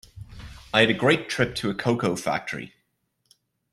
I had a great trip to a cocoa factory.